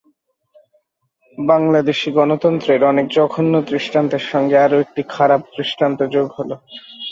বাংলাদেশি গণতন্ত্রের অনেক জঘন্য দৃষ্টান্তের সঙ্গে আরও একটি খারাপ দৃষ্টান্ত যোগ হলো।